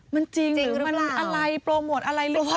มันจริงหรือเป็นอะไรโปรโมทภาพยนตร์อะไรหรือเปล่า